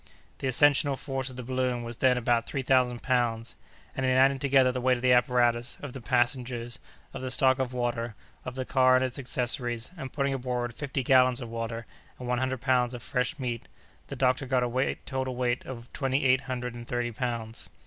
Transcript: The ascensional force of the new balloon was then about three thousand pounds, and, in adding together the weight of the apparatus, of the passengers, of the stock of water, of the car and its accessories, and putting aboard fifty gallons of water, and one hundred pounds of fresh meat, the doctor got a total weight of twenty eight hundred and thirty pounds.